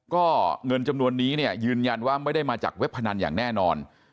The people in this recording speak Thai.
ก็เงินจำนวนนี้เนี่ยยืนยันว่าไม่ได้มาจากเว็บพนันอย่างแน่นอน